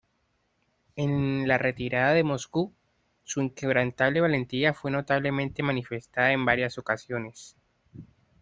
En la retirada de Moscú, su inquebrantable valentía fue notablemente manifestada en varias ocasiones.